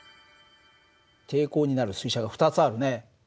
抵抗になる水車が２つあるね。